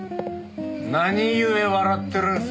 何故笑ってるんす？